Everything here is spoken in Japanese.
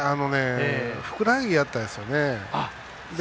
ふくらはぎやったですよね。